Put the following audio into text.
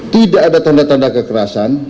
tidak ada tanda tanda kekerasan